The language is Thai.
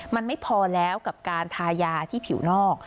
มันไม่พอแล้วกับการทายาที่ผิวนอก